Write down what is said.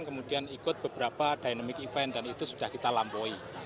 kemudian ikut beberapa dynamic event dan itu sudah kita lampaui